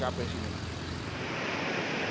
tkp perhutani di perhutani